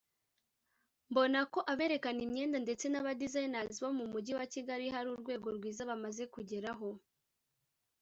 mbona ko aberekana imyenda ndetse n’aba designers bo mu Mujyi wa Kigali hari urwego rwiza bamaze kugeraho